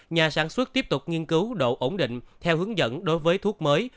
nhà sản xuất tiếp tục nghiên cứu độ ổn định theo hướng dẫn đối với thuốc mới